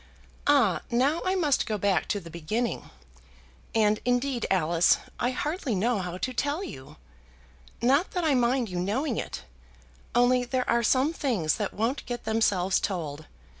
"Ah; now I must go back to the beginning. And indeed, Alice, I hardly know how to tell you; not that I mind you knowing it, only there are some things that won't get themselves told.